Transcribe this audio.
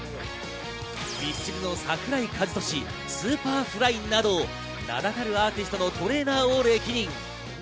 ミスチルの桜井和寿、Ｓｕｐｅｒｆｌｙなど、名だたるアーティストのトレーナーを歴任。